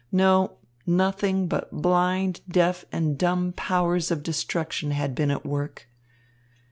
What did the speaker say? No! Nothing but blind, deaf and dumb powers of destruction had been at work.